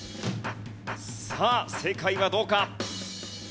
さあ正解はどうか？